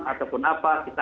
ataupun apa kita akan ikuti